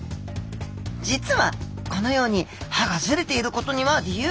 実はこのように歯がズレていることには理由があります。